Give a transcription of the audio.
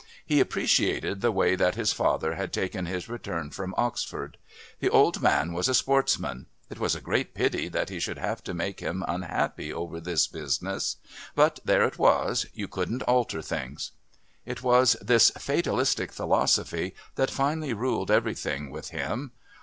He appreciated the way that his father had taken his return from Oxford. The old man was a sportsman. It was a great pity that he should have to make him unhappy over this business. But there it was you couldn't alter things. It was this fatalistic philosophy that finally ruled everything with him.